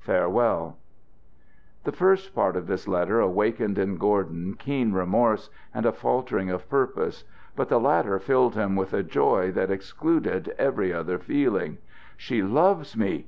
Farewell!" The first part of this letter awakened in Gordon keen remorse and a faltering of purpose, but the latter filled him with a joy that excluded every other feeling. "She loves me!"